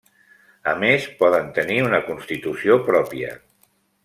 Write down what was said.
A més, poden tenir una Constitució pròpia.